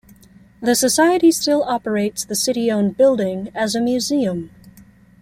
The society still operates the City owned building as a museum.